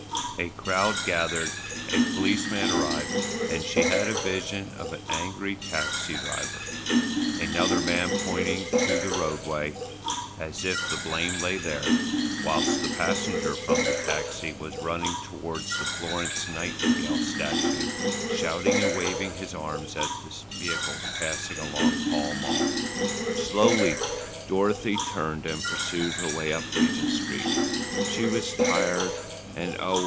A crowd gathered, a policeman arrived, and she had a vision of an angry taxi driver, another man pointing to the roadway, as if the blame lay there, whilst the passenger from the taxi was running towards the Florence Nightingale statue shouting and waving his arms at the vehicles passing along Pall Mall. Slowly Dorothy turned and pursued her way up Regent Street. She was tired and and, oh!